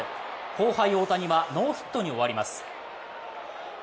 後輩・大谷はノーヒットに終わります。